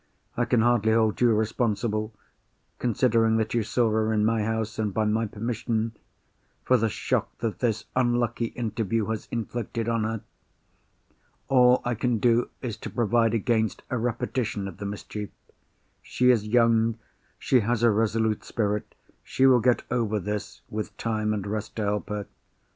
I can hardly hold you responsible—considering that you saw her in my house and by my permission—for the shock that this unlucky interview has inflicted on her. All I can do is to provide against a repetition of the mischief. She is young—she has a resolute spirit—she will get over this, with time and rest to help her.